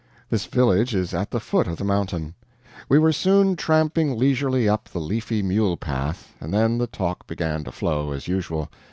This village is at the foot of the mountain. We were soon tramping leisurely up the leafy mule path, and then the talk began to flow, as usual.